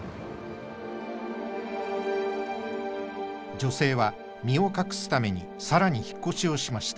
女性は身を隠すために更に引っ越しをしました。